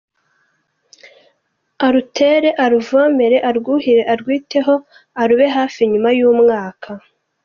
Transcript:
arutere, aruvomerere, arwuhirire, arwiteho arube hafi, nyuma y'umwaka.